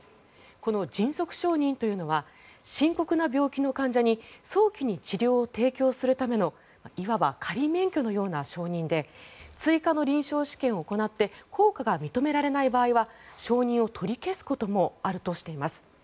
この迅速承認というのは深刻な病気の患者に早期に治療を提供するためのいわば仮免許のような承認で追加の臨床試験を行って効果が認められない場合は承認を取り消すこともあるとしています。